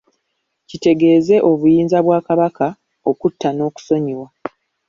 Kitegeeze obuyinza bwa Kabaka okutta n'okusonyiwa.